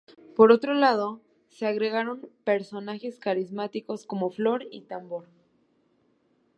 Por otro lado se agregaron personajes carismáticos como Flor y Tambor.